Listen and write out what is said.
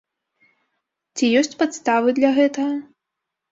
Ці ёсць падставы для гэтага?